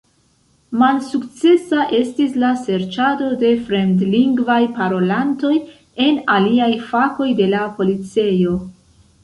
Malsukcesa estis la serĉado de fremdlingvaj parolantoj en aliaj fakoj de la policejo.